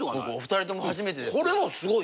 僕お二人とも初めてです。